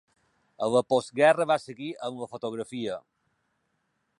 A la postguerra va seguir amb la fotografia.